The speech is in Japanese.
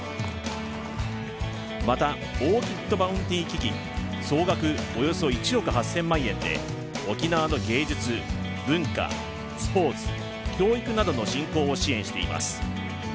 また、オーキッドバウンティ基金総額およそ１億８０００万円で沖縄の芸術、文化、スポーツ、教育などの振興を支援しています。